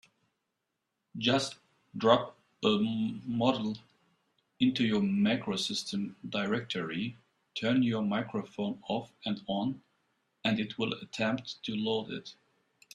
Just drop a module into your MacroSystem directory, turn your microphone off and on, and it will attempt to load it.